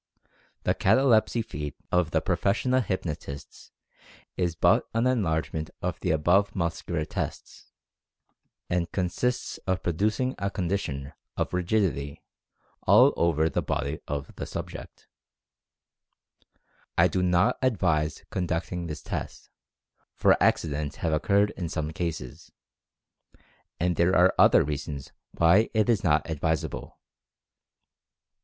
The "catalepsy feat" of the professional hypnotists is but an enlargement of the above muscular tests, 106 Mental Fascination and consists of producing a condition of rigidity all over the body of the subject. I do not advise con ducting this test, for accidents have occurred in some cases, and there are other reasons why it is not ad visable.